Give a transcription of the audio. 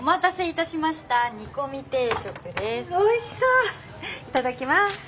いただきます。